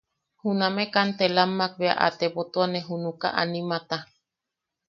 Juname kantelammak bea a tebotuane junaka animata.